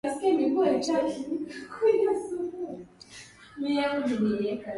wanasheria ambaye alikuwa anamtetea kodokoski amewaambia wanahabri alikuwa anafahamu kufika mahakama hiyo